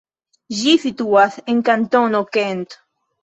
Ĝi situas en kantono Kent.